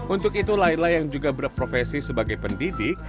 untuk itu laila yang juga berprofesi sebagai pendidik